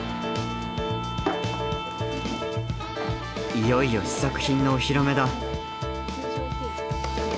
いよいよ試作品のお披露目だ。